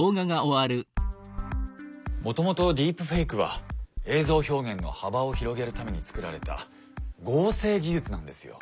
もともとディープフェイクは映像表現の幅を広げるためにつくられた合成技術なんですよ。